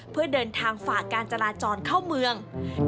เพื่อเดินทางฝ่าการจราจรเข้าเมือง